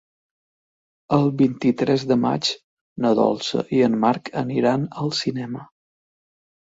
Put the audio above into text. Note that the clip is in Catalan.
El vint-i-tres de maig na Dolça i en Marc aniran al cinema.